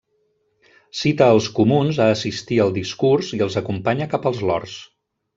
Cita als Comuns a assistir al discurs i els acompanya cap als Lords.